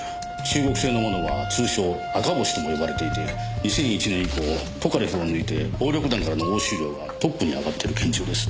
中国製のものは通称赤星とも呼ばれていて２００１年以降トカレフを抜いて暴力団からの押収量がトップに上がってる拳銃です。